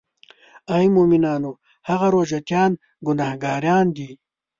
آی مومنانو هغه روژه تیان ګناهګاران دي.